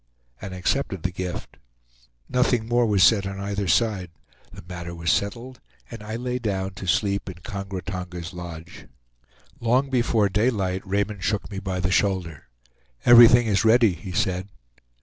and accepted the gift. Nothing more was said on either side; the matter was settled, and I lay down to sleep in Kongra Tonga's lodge. Long before daylight Raymond shook me by the shoulder. "Everything is ready," he said.